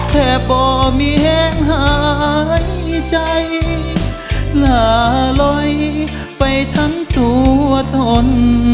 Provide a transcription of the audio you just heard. แค่เพราะมีแห้งหายใจละลอยไปทั้งตัวทน